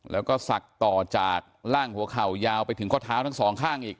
แล้วก็ศักดิ์ต่อจากร่างหัวเข่ายาวไปถึงข้อเท้าทั้งสองข้างอีก